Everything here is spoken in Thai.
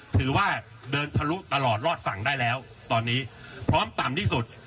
ถือว่าเดินทะลุตลอดรอดฝั่งได้แล้วตอนนี้พร้อมต่ำที่สุด